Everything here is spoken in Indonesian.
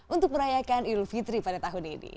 untuk merayakan idul fitri pada tahun ini